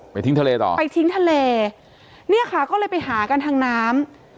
ทิ้งทะเลต่อไปทิ้งทะเลเนี่ยค่ะก็เลยไปหากันทางน้ำ